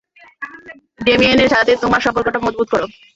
ডেমিয়েনের সাথে তোমার সম্পর্কটা মজবুত করো।